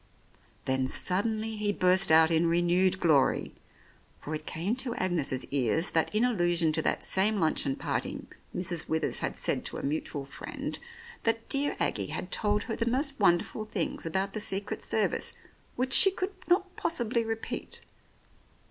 Then suddenly he burst out in renewed glory, for it came to Agnes's ears that in allusion to that same luncheon party Mrs. Withers had said to a mutual friend that dear Aggie had told her the most wonderful things about the Secret Service which she could not possibly repeat.